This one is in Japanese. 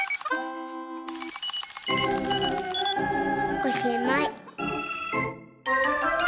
おしまい！